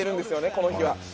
この日は。